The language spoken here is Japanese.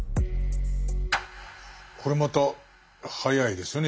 これまた早いですよね。